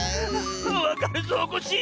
わかるぞコッシー！